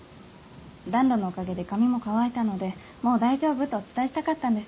暖炉のおかげで髪も乾いたのでもう大丈夫とお伝えしたかったんです。